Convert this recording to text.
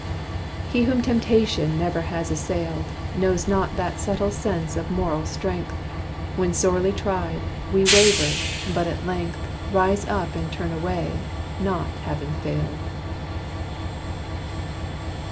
He whom temptation never has assailed, Knows not that subtle sense of moral strength; When sorely tried, we waver, but at length, Rise up and turn away, not having failed.